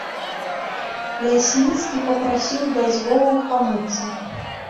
Лясніцкі папрасіў дазволу памыцца.